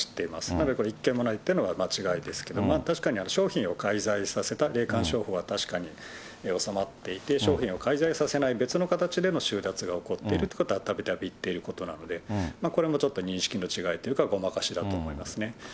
なので、これ、一件もないというのは間違いですけれども、確かに商品を介在させた霊感商法は確かに収まっていて、商品を介在させない別の形での収奪が起こっているということはたびたび言っていることなので、これもちょっと認識の違いというか、ごまかしだと思いますね。